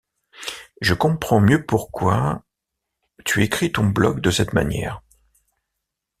Je comprends mieux pourquoi. ........ tu écris ton blog de cette manière.